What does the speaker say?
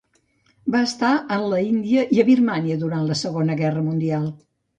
Va estar en l'Índia i a Birmània durant la Segona Guerra Mundial.